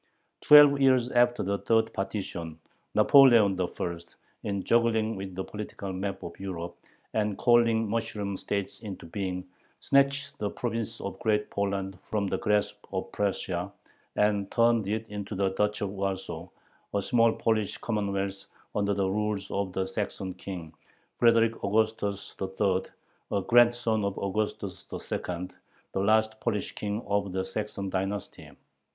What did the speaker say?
Twelve years after the third partition, Napoleon I., in juggling with the political map of Europe and calling mushroom states into being, snatched the province of Great Poland from the grasp of Prussia, and turned it into the Duchy of Warsaw, a small Polish commonwealth under the rule of the Saxon King Frederick Augustus III., a grandson of Augustus II., the last Polish King of the Saxon dynasty.